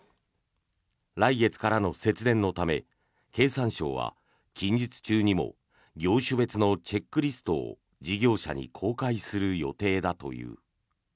来月からの節電のため経産省は近日中にも業種別のチェックリストを事業者に公開する予定だという。